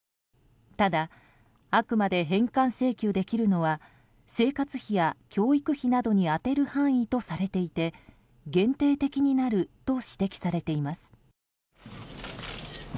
ただ、あくまで返還請求できるのは生活費や教育費などに充てる範囲とされていて限定的になると指摘されています。